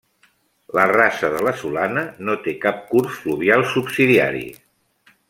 La rasa de la Solana no té cap curs fluvial subsidiari.